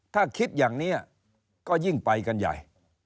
ถ้าคิดอย่างนี้ก็ยิ่งไปกันใหญ่